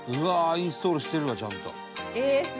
インストールしてるわちゃんと。